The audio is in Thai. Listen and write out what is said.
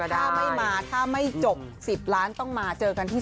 ถ้าไม่มาถ้าไม่จบ๑๐ล้านต้องมาเจอกันที่๓